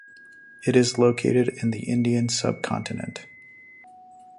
It is located in the Indian subcontinent.